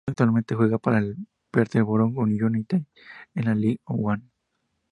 Actualmente juega para el Peterborough United de la League One.